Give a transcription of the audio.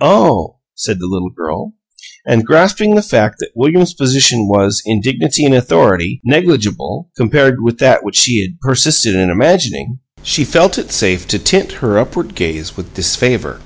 "Oh!" said the little girl, and, grasping the fact that William's position was, in dignity and authority, negligible, compared with that which she had persisted in imagining, she felt it safe to tint her upward gaze with disfavor.